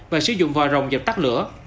và sử dụng vòi rồng dập tắt lửa